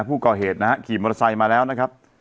ผู้ก่อเหตุนะฮะขี่มอเตอร์ไซค์มาแล้วนะครับ